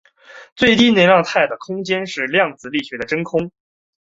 最低能量态的空间才是量子力学的真空。